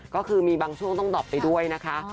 ก็คือมีบางช่วงต้องดอบไปด้วยนะคะ